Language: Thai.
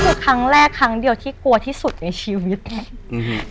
คือครั้งแรกครั้งเดียวที่กลัวที่สุดในชีวิตเนี่ย